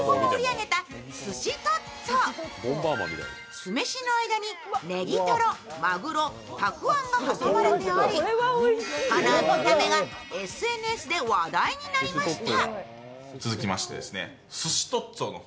酢飯の間にねぎとろ、まぐろ、たくあんが挟まれておりこの見た目がＳＮＳで話題になりました。